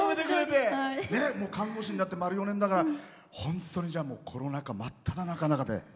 看護師になって丸４年だから本当にコロナ禍、真っただ中で。